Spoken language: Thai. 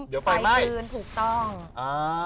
เดี๋ยวไฟลืนถูกต้องอ่า